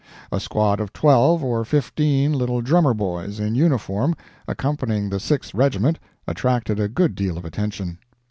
A squad of twelve or fifteen little drummer boys, in uniform, accompanying the Sixth Regiment, attracted a good deal of attention.